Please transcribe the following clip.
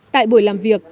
tại buổi làm việc